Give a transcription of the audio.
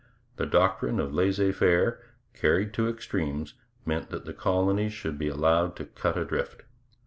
The doctrine of laissez faire, carried to extremes, meant that the colonies should be allowed to cut adrift.